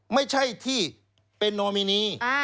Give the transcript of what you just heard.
ไม่ใช่ที่เป็นโนมินี